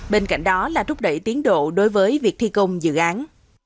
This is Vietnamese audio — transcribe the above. bên cạnh đó là rút đẩy tiến độ đối với việc thi công dự án